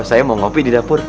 saya mau ngopi di dapur